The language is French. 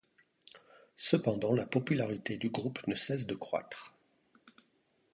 Cependant la popularité du groupe ne cesse de croître.